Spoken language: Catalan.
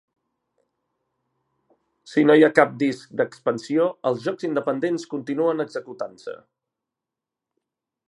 Si no hi ha cap disc d'expansió, el jocs independents continuen executant-se.